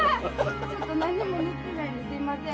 ちょっと何にも塗ってないんですいません。